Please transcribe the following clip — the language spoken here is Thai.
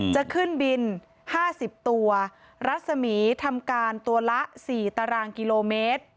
จะขึ้นบิน๕๐ตัวรัศมีร์ทำการตัวละ๔ตารางกิโลเมตร